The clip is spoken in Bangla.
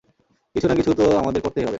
কিছু না কিছু তো আমাদের করতেই হবে।